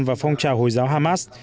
và phong trào hồi giáo hamad